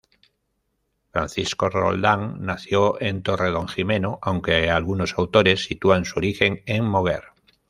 Francisco Roldán nació en Torredonjimeno, aunque algunos autores sitúan su origen en Moguer.